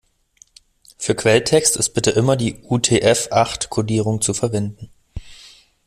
Für Quelltext ist bitte immer die UTF-acht-Kodierung zu verwenden.